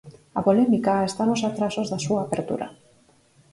A polémica está nos atrasos da súa apertura.